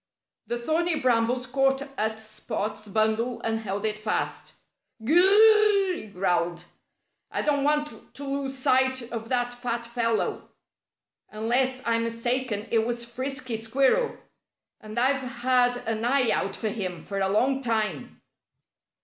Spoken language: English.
The thorny brambles caught at Spot's bundle and held it fast. "G r r r!" he growled. "I don't want to lose sight of that fat fellow. Unless I'm mistaken, it was Frisky Squirrel. And I've had an eye out for him for a longtime."